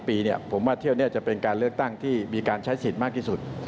ปีผมว่าเที่ยวนี้จะเป็นการเลือกตั้งที่มีการใช้สิทธิ์มากที่สุด